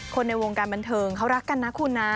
ในวงการบันเทิงเขารักกันนะคุณนะ